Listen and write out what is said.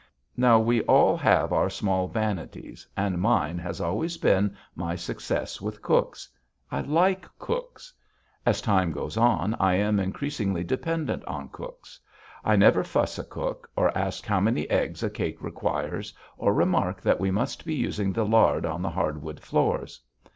Now, we all have our small vanities, and mine has always been my success with cooks. I like cooks. As time goes on, I am increasingly dependent on cooks. I never fuss a cook, or ask how many eggs a cake requires, or remark that we must be using the lard on the hardwood floors.